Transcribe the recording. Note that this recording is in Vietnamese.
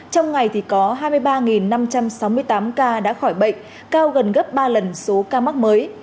trong ngày thì có hai mươi ba năm trăm sáu mươi tám ca đã khỏi bệnh cao gần gấp ba lần số ca mắc mới